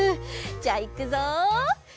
じゃあいくぞ。